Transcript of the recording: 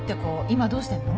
今どうしてるの？